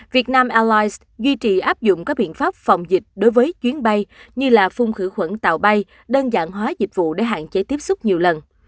việt nam airlines duy trì áp dụng các biện pháp phòng dịch đối với chuyến bay như là phun khử khuẩn tàu bay đơn giản hóa dịch vụ để hạn chế tiếp xúc nhiều lần